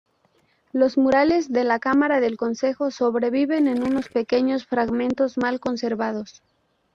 Los murales de la cámara del concejo sobreviven en unos pequeños fragmentos mal conservados.